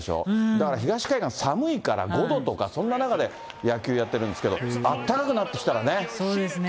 だから東海岸寒いから、５度とかそんな中で野球やってるんですけそうですね。